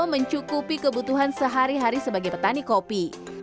mencukupi kebutuhan sehari hari sebagai petani kopi